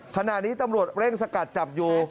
ขณะนี้ตำรวจเร่งสกัดจับอยู่